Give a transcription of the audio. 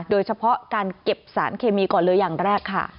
โดยเฉพาะการเก็บสารเคมีก่อนเลยอย่างแรกค่ะ